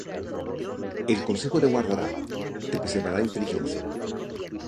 El consejo te guardará, Te preservará la inteligencia: